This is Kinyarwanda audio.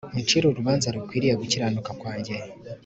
uncire urubanza rukwiriye gukiranuka kwanjye